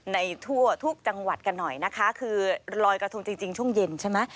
ในทั่วทุกจังหวัดกันหน่อยนะคะคือลอยกระทงจริงช่วงเย็นใช่ไหม